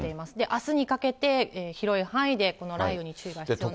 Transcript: あすにかけて広い範囲でこの雷雨に注意なんですが。